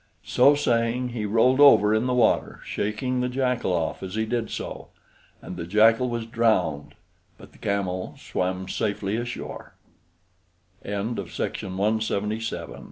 So saying, he rolled over in the water, shaking the Jackal off as he did so. And the Jackal was drowned, but the Camel swam safely ashore. SINGH RAJAH AND THE CUNNING LITT